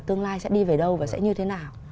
tương lai sẽ đi về đâu và sẽ như thế nào